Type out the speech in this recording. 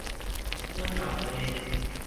阮老爸